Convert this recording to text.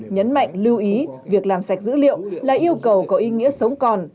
nhấn mạnh lưu ý việc làm sạch dữ liệu là yêu cầu có ý nghĩa sống còn